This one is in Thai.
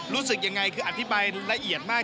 รู้สึกยังไงคืออธิบายละเอียดมาก